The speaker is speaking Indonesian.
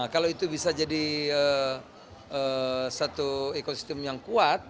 kalau itu bisa jadi satu ekosistem yang kuat